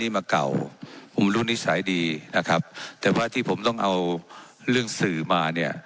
มาเก่าผมรู้นิสัยดีนะครับแต่ว่าที่ผมต้องเอาเรื่องสื่อมาเนี่ย